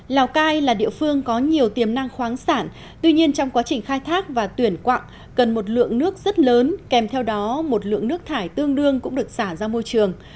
lào cai là địa phương có nhiều tiềm năng khoáng sản tuy nhiên trong quá trình khai thác và tuyển quặng cần một lượng nước rất lớn kèm theo đó một lượng nước thải tương đương cũng được xả ra môi trường